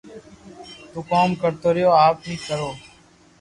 تو ڪوم ڪرتو رھيو آپ اي ڪرو